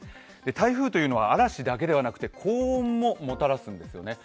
台風というのは嵐だけではなくて高温ももたらすんですよね。